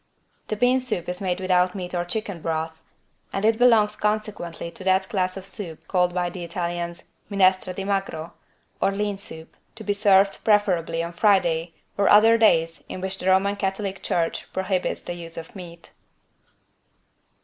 The bean soup is made without meat or chicken broth, and it belongs consequently to that class of soup called by the Italians "=Minestra di Magro=" or "lean soup," to be served preferably on Friday and other days in which the Roman Catholic Church prohibits the use of meats.